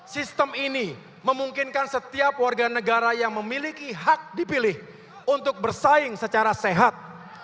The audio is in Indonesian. sistem ini memungkinkan setiap warga negara yang memiliki hak dipilih untuk bersaing secara sehat